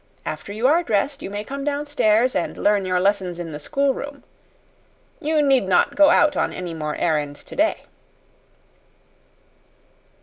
After you are dressed you may come downstairs and learn your lessons in the schoolroom. You need not go out on any more errands today."